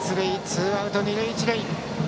ツーアウト、二塁一塁。